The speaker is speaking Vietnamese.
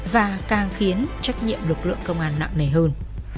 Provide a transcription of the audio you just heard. và càng khiến trách nhiệm lực lượng công an nặng nề hơn